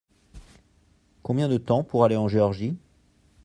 Combien de temps pour aller en Géorgie ?